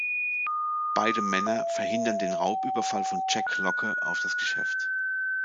Beide Männer verhindern den Raubüberfall von Jack Locke auf das Geschäft.